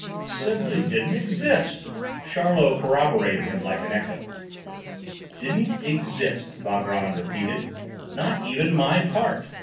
"Simply didn't exist!" Charlot corroborated him, like an echo. "Didn't exist," Valgrand repeated: "not even my part.